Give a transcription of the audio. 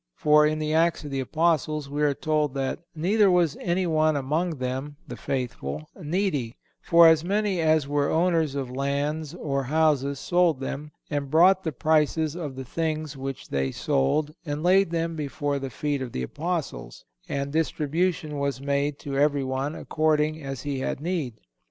For in the Acts of the Apostles we are told that "neither was anyone among them (the faithful) needy; for as many as were owners of lands or houses sold them, and brought the prices of the things which they sold and laid them before the feet of the Apostles, and distribution was made to everyone according as he had need."